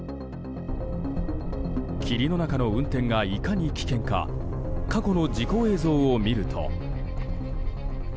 霧の中の運転がいかに危険か過去の事故の映像を見ると。